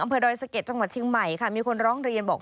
อำเภอโดยสะเก็ดจังหวัดชิงใหม่ค่ะมีคนร้องเรียนบอก